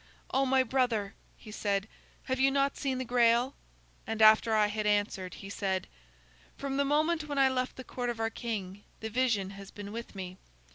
"'Oh, my brother,' he said, 'have you not seen the Grail?' And after I had answered, he said: "'From the moment when I left the court of our king, the vision has been with me.